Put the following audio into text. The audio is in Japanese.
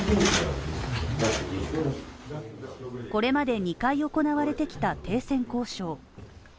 これまで２回行われてきた停戦交渉。